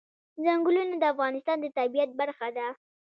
ځنګلونه د افغانستان د طبیعت برخه ده.